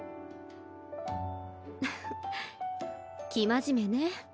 フフッ生真面目ね。